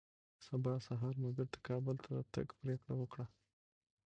سبا سهار مو بېرته کابل ته د تګ پرېکړه وکړه